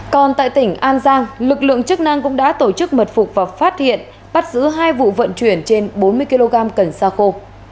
còn tại tỉnh an giang lực lượng chức năng cũng đã tổ chức mật phục và phát hiện bắt giữ hai vụ vận chuyển trên bốn mươi kg cần xa khô